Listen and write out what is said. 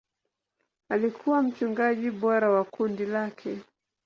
Alikuwa mchungaji bora wa kundi lake.